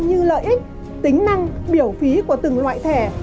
như lợi ích tính năng biểu phí của từng loại thẻ